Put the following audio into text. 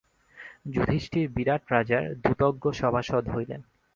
যুধিষ্ঠির বিরাট রাজার দ্যুতজ্ঞ সভাসদ হইলেন।